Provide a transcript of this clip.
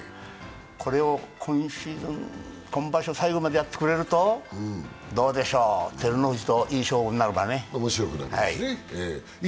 これを今場所最後までやってくれるとどうでしょう、照ノ富士といい勝負になるわね。